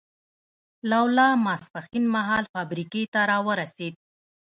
لولا ماسپښین مهال فابریکې ته را ورسېد.